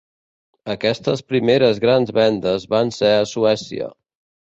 Aquestes primeres grans vendes van ser a Suècia.